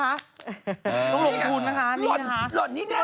ต้องรบคุณนะคะ